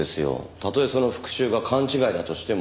たとえその復讐が勘違いだとしても。